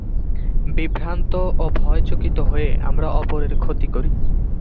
বিভ্রান্ত ও ভয়চকিত হয়ে আমরা অপরের ক্ষতি করি।